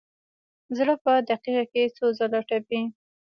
زړه په دقیقه کې څو ځله تپي.